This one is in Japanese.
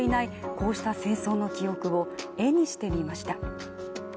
こうした戦争の記憶を絵にしてみました。